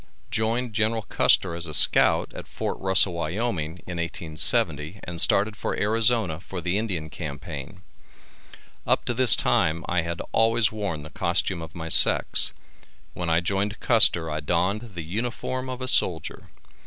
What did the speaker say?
Joined General Custer as a scout at Fort Russell, Wyoming, in 1870, and started for Arizona for the Indian Campaign. Up to this time I had always worn the costume of my sex. When I joined Custer I donned the uniform of a soldier.